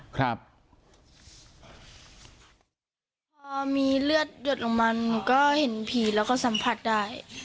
พอมีเลือดหยดลงมาหนูก็เห็นผีแล้วก็สัมผัสได้